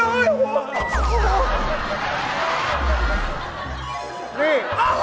นี่